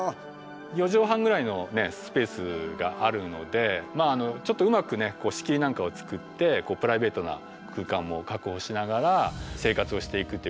４畳半ぐらいのスペースがあるのでちょっとうまく仕切りなんかを作ってプライベートな空間も確保しながら生活をしていくっていうことで。